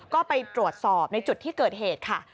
ก็ไปตรวจสอบในจุดที่เกิดเหตุค่ะ